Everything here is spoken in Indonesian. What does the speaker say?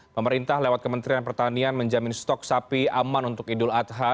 pemerintah lewat kementerian pertanian menjamin stok sapi aman untuk idul adha